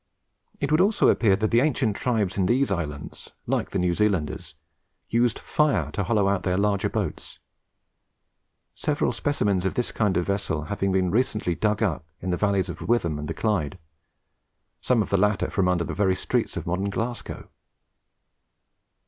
It would also appear that the ancient tribes in these islands, like the New Zealanders, used fire to hollow out their larger boats; several specimens of this kind of vessel having recently been dug up in the valleys of the Witham and the Clyde, some of the latter from under the very streets of modern Glasgow.